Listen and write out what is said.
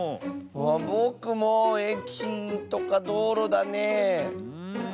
ぼくもえきとかどうろだねえ。